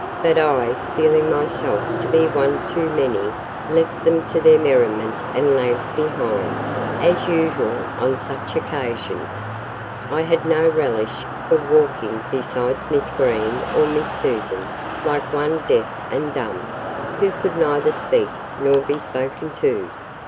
But I, feeling myself to be one too many, left them to their merriment and lagged behind, as usual on such occasions: I had no relish for walking beside Miss Green or Miss Susan like one deaf and dumb, who could neither speak nor be spoken to.